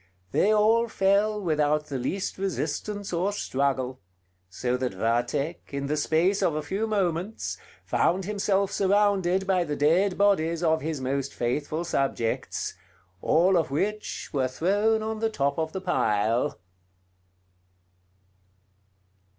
They all fell without the least resistance or struggle; so that Vathek, in the space of a few moments, found himself surrounded by the dead bodies of his most faithful subjects, all of which were thrown on the top of the pile.